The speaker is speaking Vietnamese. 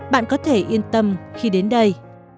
bạn có thể yên tâm khi đến đây